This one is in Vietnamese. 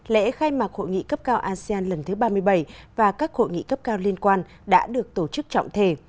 lễ khai mạc hội nghị cấp cao asean lần thứ ba mươi bảy và các hội nghị cấp cao liên quan đã được tổ chức trọng thể